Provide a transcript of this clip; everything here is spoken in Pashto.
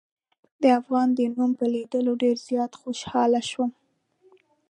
د افغان د نوم په لیدلو ډېر زیات خوشحاله شوم.